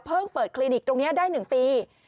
เปิดคลินิกตรงนี้ได้๑ปี